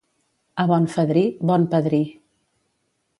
A bon fadrí, bon padrí.